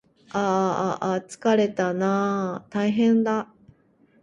ああああつかれたなああああたいへんだ